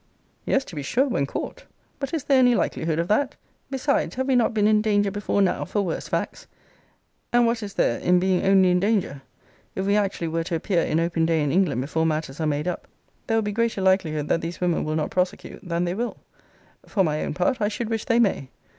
Yes, to be sure, when caught But is there any likelihood of that? Besides, have we not been in danger before now for worse facts? and what is there in being only in danger? If we actually were to appear in open day in England before matters are made up, there will be greater likelihood that these women will not prosecute that they will. For my own part, I should wish they may.